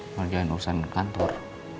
ngerjain urusan kantor